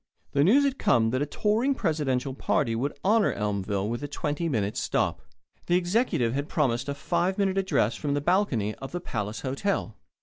The news had come that a touring presidential party would honour Elmville by a twenty minute stop. The Executive had promised a five minute address from the balcony of the Palace Hotel.